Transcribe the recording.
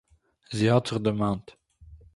זי האָט זיך דערמאַנט